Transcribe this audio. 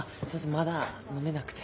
まだ飲めなくて。